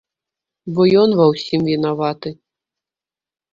Бо ён ва ўсім вінаваты.